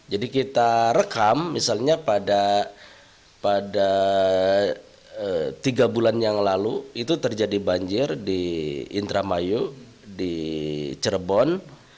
jadi kita rekam misalnya pada tiga bulan yang lalu itu terjadi banjir di intramayu di cirebon